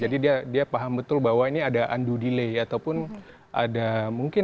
jadi dia paham betul bahwa ini ada undue delay ataupun ada mungkin